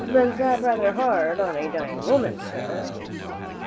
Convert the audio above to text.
"Ben't that rather hard on a dying woman, sir?"